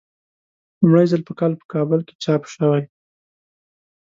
لومړی ځل په کال په کابل کې چاپ شوی.